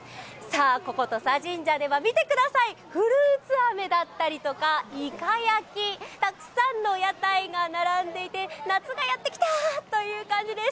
ここ土佐神社では、見てください、フルーツあめだったりとか、いか焼きたくさんの屋台が並んでいて夏がやってきたという感じです。